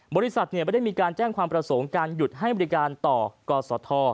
บริษัทไม่ได้มีการแจ้งความประสงค์การหยุดให้บริการต่อกศธ